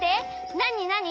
なになに？